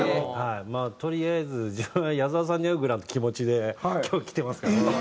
とりあえず自分は矢沢さんに会うぐらいの気持ちで今日は来てますから。